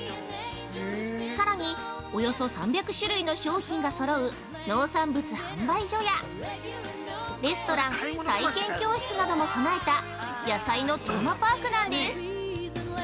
さらに、およそ３００種類の商品がそろう農産物販売所やレストラン、体験教室なども備えた野菜のテーマパークなんです。